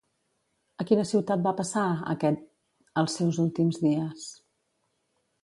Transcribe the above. A quina ciutat va passar aquest els seus últims dies?